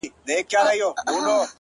هغه وكړې سوگېرې پــه خـاموشـۍ كي.